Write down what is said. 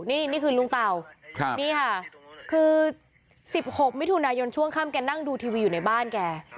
นี่คือลุงเต่านี่ค่ะคือ๑๖มิถุนายนช่วงค่ำแกนั่งดูทีวีอยู่ในบ้านแก